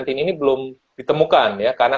tim ini belum ditemukan ya karena